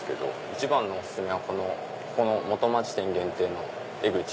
一番のお薦めはここの元町店限定のエグチ。